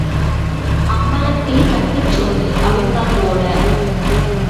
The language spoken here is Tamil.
அம்பலத்தில் கட்டுச் சோறு அவிழ்த்தாற்போல.